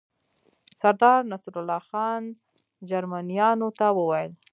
سردار نصرالله خان جرمنیانو ته وویل.